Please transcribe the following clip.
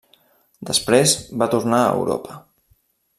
Després va tornar a Europa.